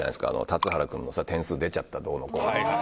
田津原君のさ点数出ちゃったどうのこうの。